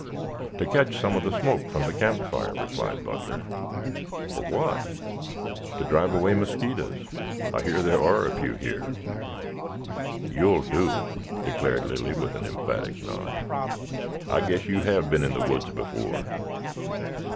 "To catch some of the smoke from the campfire," replied Butler. "For what?" "To drive away mosquitoes. I hear there are a few here." "You'll do," declared Lilly with an emphatic nod. "I guess you have been in the woods before."